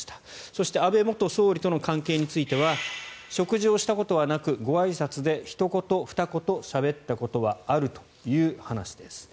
そして安倍元総理との関係については食事をしたことはなくごあいさつでひと言、ふた言しゃべったことはあるという話です。